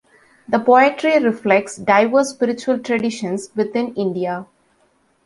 The poetry reflects diverse spiritual traditions within India.